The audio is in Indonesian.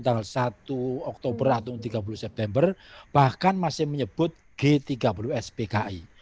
tanggal satu oktober atau tiga puluh september bahkan masih menyebut g tiga puluh spki